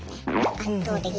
圧倒的に。